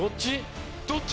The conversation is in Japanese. どっち？